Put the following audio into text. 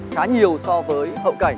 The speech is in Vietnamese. khá nhiều so với hậu cảnh